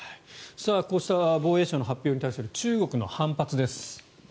こうした防衛省の発表に対して中国の反発です。